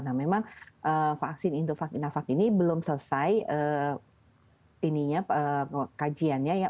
nah memang vaksin indofag inafag ini belum selesai ininya kajiannya ya